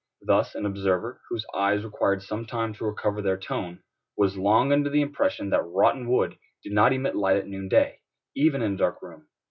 Thus an observer, whose eyes required some time to recover their tone, was long under the impression that rotten wood did not emit light at noon day, even in a dark room.